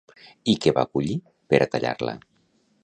I què va collir per a tallar-la?